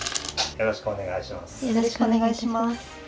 よろしくお願いします。